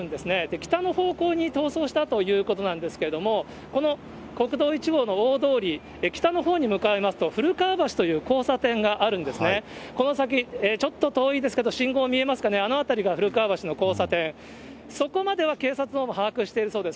北の方向に逃走したということなんですけれども、この国道１号の大通り、北のほうに向かいますと、ふるかわ橋という交差点があるんですね、この先、ちょっと遠いですけど、信号、見えますかね、あの辺りがふるかわ橋の交差点、そこまでは警察のほうも把握しているそうです。